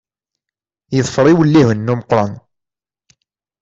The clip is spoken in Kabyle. Yeḍfer iwellihen n umeqqran.